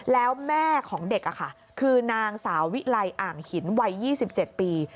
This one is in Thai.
แล้วแม่ของเด็กคือนางสาววิไลอ่างหินวัย๒๗ปี